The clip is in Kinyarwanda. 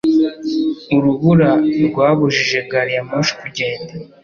Urubura rwabujije gari ya moshi kugenda